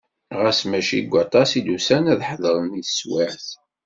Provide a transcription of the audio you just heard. Ɣas mačči deg waṭas i d-usan ad ḥeḍren i teswiɛt.